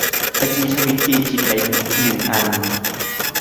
ตะกี้ทวีตปีผิดไปหนึ่งอัน